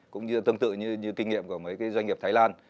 cũng như tương tự như kinh nghiệm của mấy cái doanh nghiệp thái lan